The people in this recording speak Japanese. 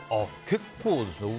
結構ですね。